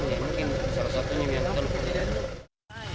mungkin salah satunya yang terlalu banyak